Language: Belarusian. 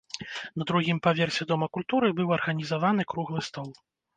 На другім паверсе дома культуры быў арганізаваны круглы стол.